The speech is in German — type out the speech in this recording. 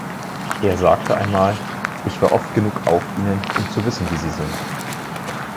Er sagte einmal „Ich war oft genug auf ihnen, um zu wissen, wie sie sind.“